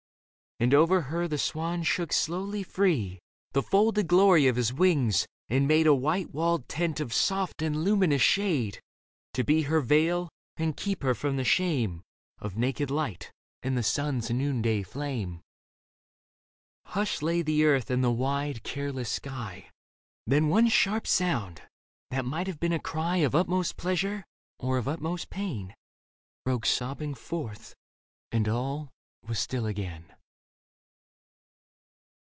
And over her the swan shook slowly free The folded glory of his wings, and made A white walled tent of soft and luminous shade To be her veil and keep her from the shame Of naked light and the sun's noonday flame. Hushed lay the earth and the wide, careless sky. Then one sharp sound, that might have been a cry Of utmost pleasure or of utmost pain. Broke sobbing forth, and all was still again.